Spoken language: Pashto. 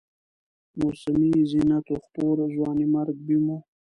موسمي زینت و خپور، ځوانیمرګ بیم و